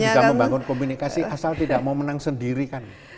bisa membangun komunikasi asal tidak mau menang sendiri kan